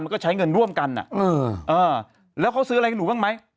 ก็ใช้เงินร่วมกันแล้วเขาซื้ออะไรกับหนูบ้างไหม